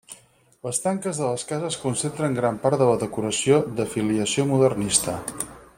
Les tanques de les cases concentren gran part de la decoració de filiació modernista.